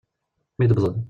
Mi d-wwḍen.